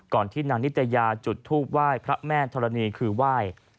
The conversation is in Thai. ก่อนที่นางนิตยาจุดทูปว่ายพระแม่ธรณีคือว่าย